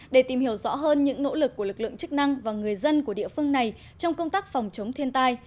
để tìm hiểu rõ hơn những nỗ lực của lực lượng chức năng và người dân của địa phương này trong công tác phòng chống thiên tai